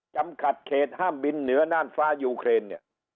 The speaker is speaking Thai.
จำกัดเขตห้ามบินเหนือด้านฟ้ายูเครน